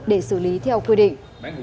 để xử lý theo quy định